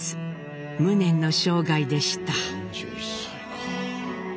無念の生涯でした。